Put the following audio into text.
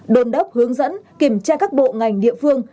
đồn đốc hướng dẫn kiểm tra các bộ ngành địa phương